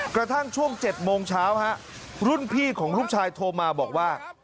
กระทั่งช่วง๗โมงเช้ารุ่นพี่ของลูกชายโทรมาบอกว่า